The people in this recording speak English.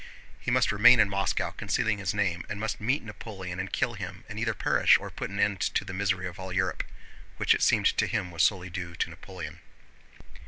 He must remain in Moscow, concealing his name, and must meet Napoleon and kill him, and either perish or put an end to the misery of all Europe—which it seemed to him was solely due to Napoleon.